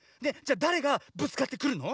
だれがぶつかってくるの？